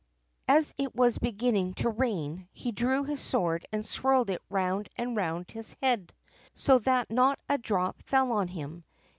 As it was beginning to rain, he drew his sword and swirled it round and round his head, so that not a drop fell on him.